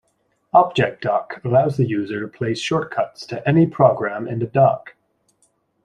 ObjectDock allows the user to place shortcuts to any program in a dock.